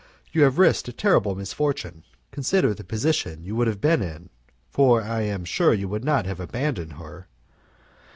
You have risked a terrible misfortune; consider the position you would have been in, for I am sure you would not have abandoned her.